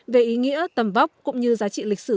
về ý nghĩa tầm vóc cũng như giá trị lịch sử